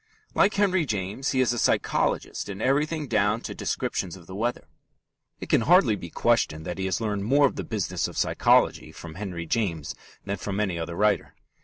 Like Henry James, he is a psychologist in everything down to descriptions of the weather. It can hardly be questioned that he has learned more of the business of psychology from Henry James than from any other writer.